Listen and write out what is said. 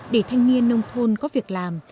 để thanh niên nông thôn có việc làm